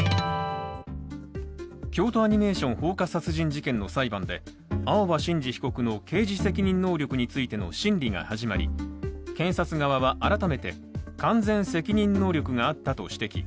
京都アニメーション放火殺人事件の裁判で青葉真司被告の刑事責任能力についての審理が始まり検察側は改めて、完全責任能力があったと指摘。